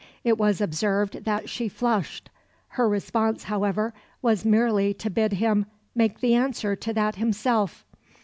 It was observed that she flushed; her response, however, was merely to bid him "make the answer to that himself."